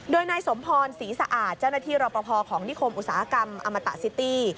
โดยนายสมพรศรีสะอาดเจ้าหน้าที่รอปภของนิคมอุตสาหกรรมอมตะซิตี้